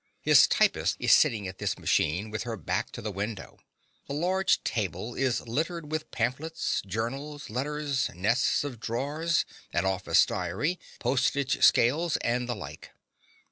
His typist is sitting at this machine, with her back to the window. The large table is littered with pamphlets, journals, letters, nests of drawers, an office diary, postage scales and the like.